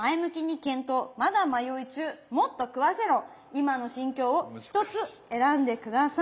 今の心境を１つ選んで下さい。